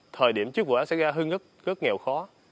thời điểm trước của hắn sẽ ra hưng rất nghèo khó